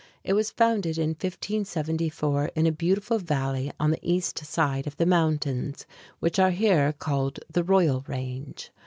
It was founded in 1574 in a beautiful valley on the east side of the mountains, which are here called the Royal Range.